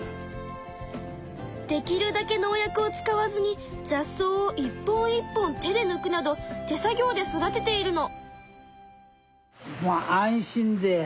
できるだけ農薬を使わずに雑草を一本一本手で抜くなど手作業で育てているの。